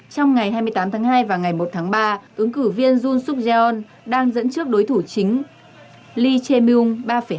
trong ngày hai mươi tám tháng hai và ngày một tháng ba ứng cử viên jun suk jeon đang dẫn trước đối thủ chính lee chae myung ba hai